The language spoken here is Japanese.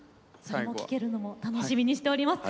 それも聴けるのも楽しみにしております。